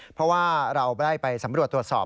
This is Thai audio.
เพราะว่าเราได้ไปสำรวจตรวจสอบ